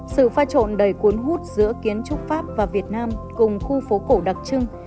sự pha trộn đầy cuốn hút giữa kiến trúc pháp và việt nam cùng khu phố cổ đặc trưng